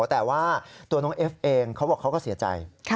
แต่ว่าตัวน้องเอฟเองเขาบอกเขาก็เสียใจ